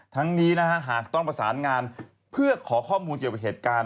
ทั้งนี้นะฮะหากต้องประสานงานเพื่อขอข้อมูลเกี่ยวกับเหตุการณ์